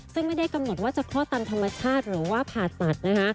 ซึ่งไม่ได้กำหนดว่าจะคลอดตามธรรมชาติหรือว่าผ่าตัดนะคะ